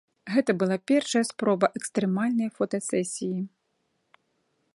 Гэта была першая спроба экстрэмальнай фотасесіі.